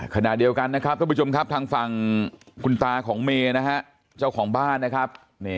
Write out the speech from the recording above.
ขณะเดียวกันนะครับทุกผู้ชมครับทางฝั่งคุณตาของเมนะฮะเจ้าของบ้านนะครับ